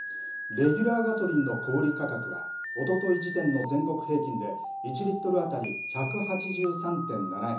レギュラーガソリンの小売り価格は、おととい時点の全国平均で１リットル当たり１８３．７円。